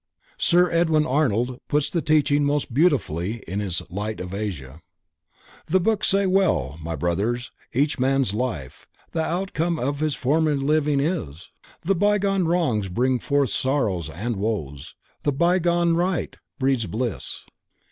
Sir Edwin Arnold puts the teaching most beautifully in his "Light of Asia." "The Books say well, my Brothers! each man's life The outcome of his former living is; The bygone wrongs bring forth sorrows and woes The bygone right breeds bliss.